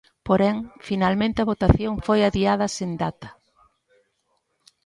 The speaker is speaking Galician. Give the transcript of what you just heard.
Porén, finalmente a votación foi adiada sen data.